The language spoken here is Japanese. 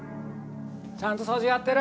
ちゃんとそうじやってる？